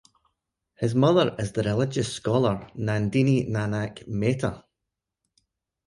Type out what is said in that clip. His mother is the religious scholar Nandini Nanak Mehta.